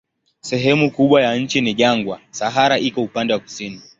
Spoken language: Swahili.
Sehemu kubwa ya nchi ni jangwa, Sahara iko upande wa kusini.